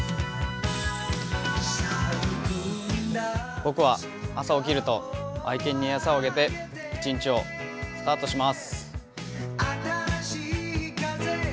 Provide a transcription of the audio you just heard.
僕は朝起きると、愛犬に餌をあげて一日をスタートします。